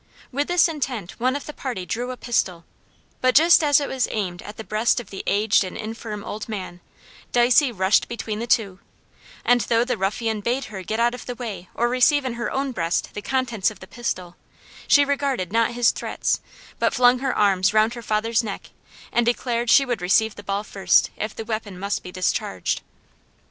With this intent one of the party drew a pistol; but just as it was aimed at the breast of the aged and infirm old man, Dicey rushed between the two, and though the ruffian bade her get out of the way or receive in her own breast the contents of the pistol, she regarded not his threats, but flung her arms round her father's neck and declared she would receive the ball first, if the weapon must be discharged.